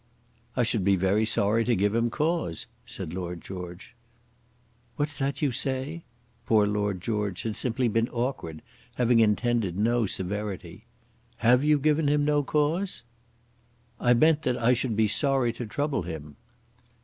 "I should be very sorry to give him cause," said Lord George. "What's that you say?" Poor Lord George had simply been awkward, having intended no severity. "Have you given him no cause?" "I meant that I should be sorry to trouble him."